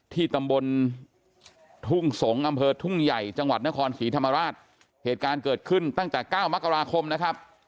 ที่ตำบลทุ่งสงศ์อำเภอทุ่งใหญ่จังหวัดนครศรีธรรมราชเหตุการณ์เกิดขึ้นตั้งแต่เก้ามกราคมนะครับ